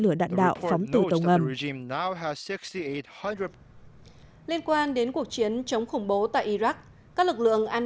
lửa đạn đạo phóng từ tàu ngầm liên quan đến cuộc chiến chống khủng bố tại iraq các lực lượng an